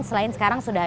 selain sekarang sudah ada